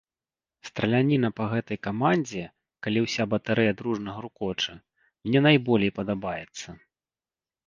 Страляніна па гэтай камандзе, калі ўся батарэя дружна грукоча, мне найболей падабаецца.